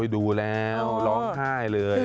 ดูแล้วร้องไห้เลย